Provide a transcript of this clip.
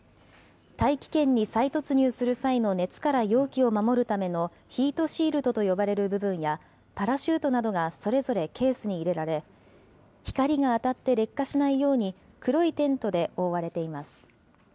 大気圏に再突入する際の熱から容器を守るためのヒートシールドと呼ばれる部分や、パラシュートなどがそれぞれケースに入れられ、光が当たって劣化しないように、黒いテントで覆われています。